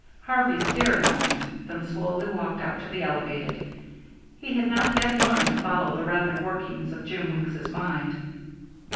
Harvey stared a moment, then slowly walked out to the elevated. He had not yet learned to follow the rapid working of Jim Weeks's mind.